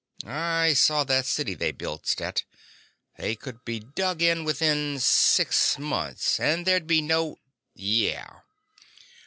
"I saw that city they built, Stet. They could be dug in within six months, and there'd be no—" "Yeah."